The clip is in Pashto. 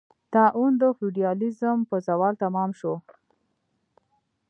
طاعون د فیوډالېزم په زوال تمام شو.